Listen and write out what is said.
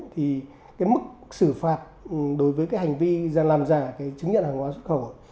thì cái mức xử phạt đối với cái hành vi làm giả cái chứng nhận hàng hóa xuất khẩu